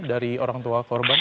dari orang tua korban